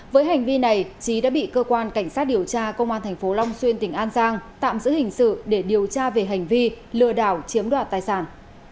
với hành vi này trí đã bị cơ quan cảnh sát điều tra công an tp long xuyên tỉnh an giang tạm giữ hình sự để điều tra về hành vi lừa đảo chiếm đoạt tài sản